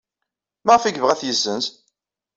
Maɣef ay yebɣa ad t-yessenz?